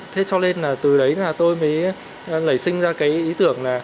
thế cho nên là từ đấy là tôi mới nảy sinh ra cái ý tưởng là